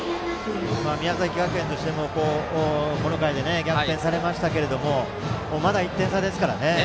宮崎学園としてもこの回で逆転されましたけどもまだ１点差ですからね。